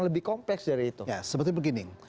lebih kompleks dari itu ya sebetulnya begini